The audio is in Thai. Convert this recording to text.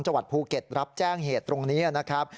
จังหวัดภูเก็ตรับแจ้งเหตุตรงนี้นะครับ